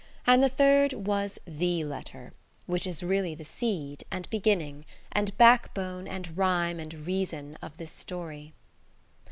And the third was THE letter, which is really the seed, and beginning, and backbone, and rhyme, and reason of this story.